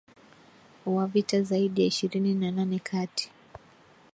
wa vita Zaidi ya ishirini na nane kati